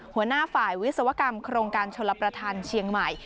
หัวหน้าฝ่ายวิศวกรรมโครงการชลประธานเชียงใหม่